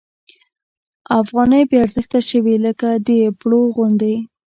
افغانۍ بې ارزښته شوې لکه د پړو غوندې.